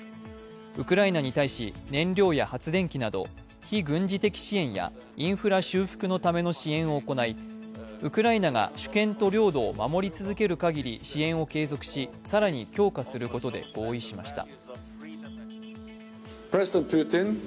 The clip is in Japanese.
ウクライナに対し、燃料や発電機など非軍事的支援やインフラ修復のための支援を行い、ウクライナが主権と領土を守り続けるかぎり支援を継続し、更に強化することで合意しました。